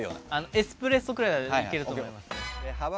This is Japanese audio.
エスプレッソぐらいだったらいけると思いますね。